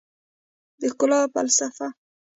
د ښکلا فلسفه